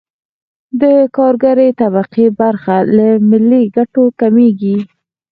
د کارګرې طبقې برخه له ملي ګټو کمېږي